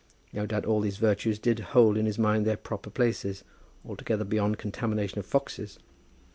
No doubt all these virtues did hold in his mind their proper places, altogether beyond contamination of foxes.